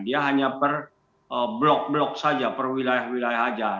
dia hanya per blok blok saja per wilayah wilayah saja